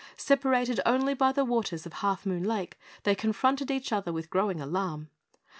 Separated only by the waters of Half Moon Lake, they confronted each other with growing alarm.